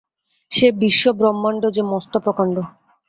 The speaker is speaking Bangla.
সে বিশ্বব্রহ্মাণ্ড যে মস্ত প্রকাণ্ড।